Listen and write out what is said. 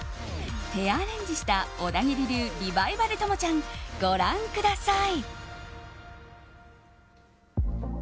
ヘアアレンジした小田切流リバイバル朋ちゃんご覧ください。